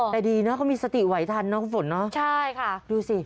แต่ดีนะก็มีสติไหวทันเนาะครับสวนดูสิ